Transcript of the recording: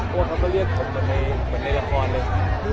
มักก็เรียกผมในราคานเลย